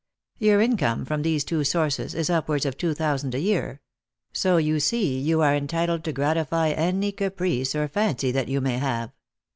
Your income from these two sources is upwards of two thousand a year ; so, you see, you are entitled to gratify any caprice or fancy that you may have.